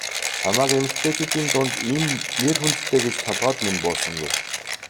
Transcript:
Чамайг эмэгтэйчүүдийн дунд ийм нэр хүндтэй гэж толгойд минь буусангүй.